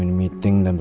tidak saya tidak bisa